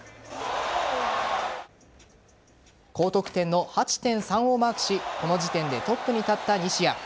高得点の８．３をマークしこの時点でトップに立った西矢。